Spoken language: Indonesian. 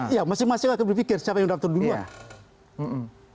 iya masing masing akan berpikir siapa yang mendaftar duluan